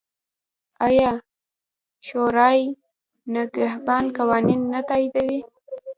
آیا شورای نګهبان قوانین نه تاییدوي؟